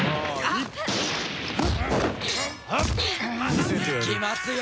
いきますよ！